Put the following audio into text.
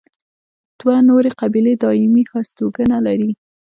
دوه نورې قبیلې دایمي هستوګنه لري.